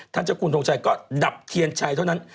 เจ้าคุณทงชัยก็ดับเทียนชัยเท่านั้น